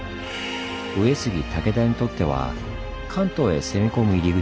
上杉武田にとっては関東へ攻め込む入り口。